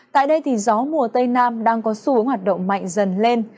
tại đây thì gió mùa tây nam đang có xu hướng hoạt động mạnh dần lên